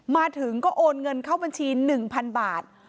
มาถึงก็โอนเงินเข้าบัญชี๑๐๐๐บาท